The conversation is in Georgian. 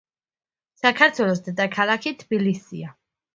საქართველოს დედაქალაქი თბილისია.